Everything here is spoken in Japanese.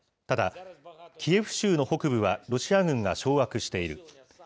ただ、キエフ州の北部はロシア軍が掌握している。